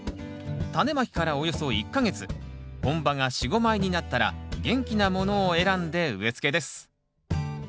タネまきからおよそ１か月本葉が４５枚になったら元気なものを選んで植えつけです。